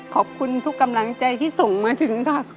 ขอบคุณทุกกำลังใจที่ส่งมาถึงค่ะ